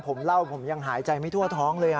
ผมเล่าผมยังหายใจไม่ทั่วท้องเลย